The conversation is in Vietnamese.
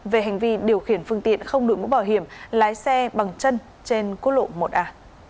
về hành vi điều khiển phương tiện không đuổi mũ bảo hiểm lái xe bằng chân trên cốt lộ một a